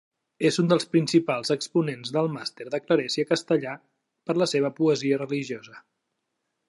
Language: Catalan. És un dels principals exponents del Mester de Clerecia castellà per la seva poesia religiosa.